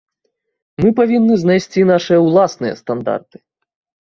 Мы павінны знайсці нашыя ўласныя стандарты.